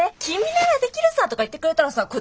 「君ならできるさ！」とか言ってくれたらさ